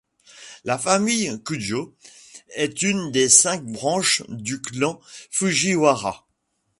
La famille Kujō est une des cinq branches du clan Fujiwara.